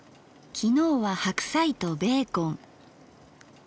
昨日は白菜とベーコン。